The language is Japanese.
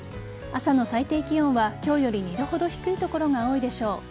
朝の最低気温は今日より２度ほど低い所が多いでしょう。